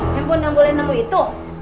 handphone yang boleh nemu itu